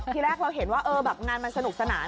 ทีแรกเราเห็นว่างานมันสนุกสนาน